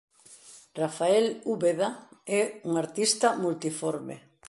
Rafael Úbeda é un artista multiforme.